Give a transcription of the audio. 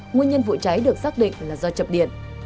nguyên nhân vụ cháy được xác định là do chập điện